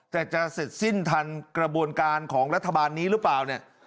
แต่จะเสร็จสิ้นทันกระบวนการของรัฐบาลนี้หรือเปล่าเนี่ย